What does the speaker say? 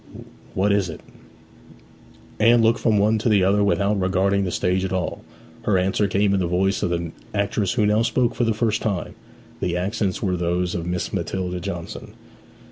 'What is it?' Anne looked from one to the other without regarding the stage at all. Her answer came in the voice of the actress who now spoke for the first time. The accents were those of Miss Matilda Johnson.